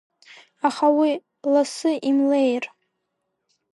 Аха уи лассы имлеир?!